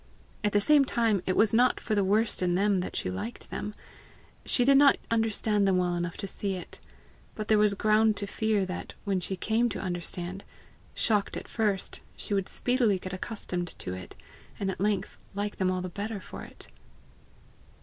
At the same time, it was not for the worst in them that she liked them; she did not understand them well enough to see it. But there was ground to fear that, when she came to understand, shocked at first, she would speedily get accustomed to it, and at length like them all the better for it.